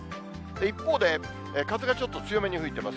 一方で、風がちょっと強めに吹いてます。